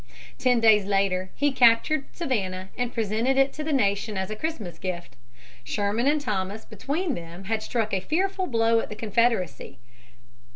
Ten days later he captured Savannah and presented it to the nation as a Christmas gift. Sherman and Thomas between them had struck a fearful blow at the Confederacy.